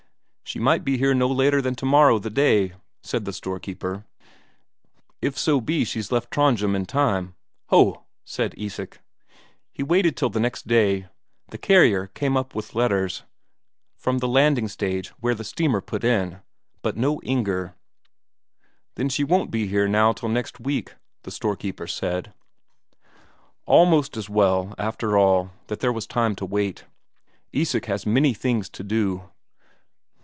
"She might be here no later than tomorrow the day," said the storekeeper, "if so be she's left Trondhjem in time." "Ho!" said Isak. He waited till the next day. The carrier came up with letters, from the landing stage where the steamer put in, but no Inger. "Then she won't be here now till next week," the storekeeper said. Almost as well, after all, that there was time to wait Isak has many things to do.